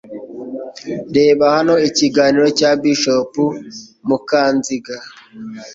Reba hano ikiganiro cya Bishop Mukanziga